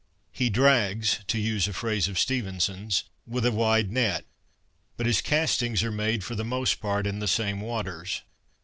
He drags (to use a phrase of Stevenson's) with a wide net, but his castings are made, for the most part, in the same waters.